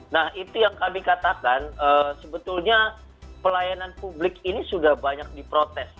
nah itu yang kami katakan sebetulnya pelayanan publik ini sudah banyak diprotes